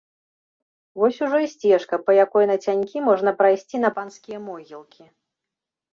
Вось ужо і сцежка, па якой нацянькі можна прайсці на панскія могілкі.